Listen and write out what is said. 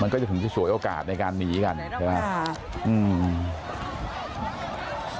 มันก็จะถึงจะสวยโอกาสในการหนีกันใช่ไหมครับอืม